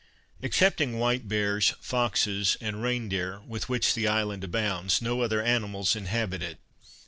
Excepting white bears, foxes and rein deer, with which the island abounds, no other animals inhabit it.